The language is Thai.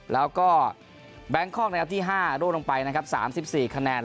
แล้วก็แบงคล่องนะครับที่ห้าโดดลงไปนะครับสามสิบสี่คะแนน